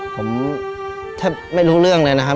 ผมแทบไม่รู้เรื่องเลยนะครับ